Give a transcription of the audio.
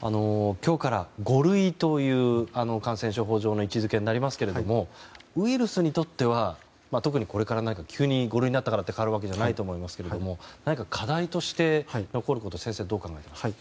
今日から、５類という感染症法上の位置づけになりますがウイルスにとっては特にこれから何か急に５類になったからといって変わるわけじゃないと思いますが課題として残ることは何だと思いますか。